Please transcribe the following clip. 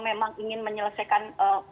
memang ingin menyelesaikan